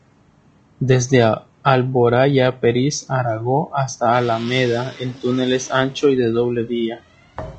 Desde Alboraya-Peris Aragó hasta Alameda, el túnel es ancho y de doble vía.